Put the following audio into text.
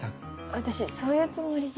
私そういうつもりじゃ。